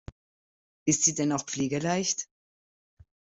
Ist sie denn auch pflegeleicht?